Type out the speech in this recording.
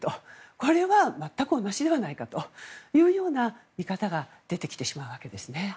これは全く同じではないかという見方が出てきてしまうわけですね。